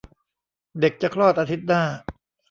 เด็กจะคลอดอาทิตย์หน้า